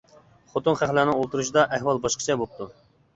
خوتۇن خەقلەرنىڭ ئولتۇرۇشىدا ئەھۋال باشقىچە بوپتۇ.